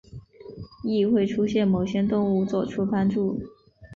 亦会出现某些动物作出帮助。